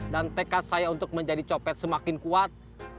dan tekad saya untuk menjadi copet semakin kuat